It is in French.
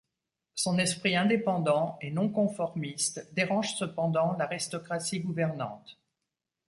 Son esprit indépendant et non conformiste dérange cependant l'aristocratie gouvernante.